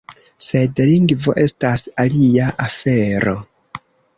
Sed lingvo estas alia afero.